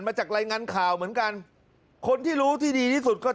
หาวหาวหาวหาวหาวหาวหาวหาวหาวหาว